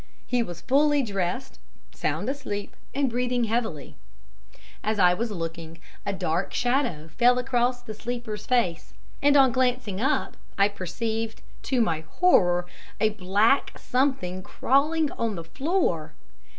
He was fully dressed, sound asleep and breathing heavily. As I was looking a dark shadow fell across the sleeper's face, and on glancing up I perceived, to my horror, a black something crawling on the floor.